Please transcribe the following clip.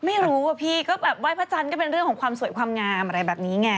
ไม่รู้อะพี่ก็แบบไห้พระจันทร์ก็เป็นเรื่องของความสวยความงามอะไรแบบนี้ไง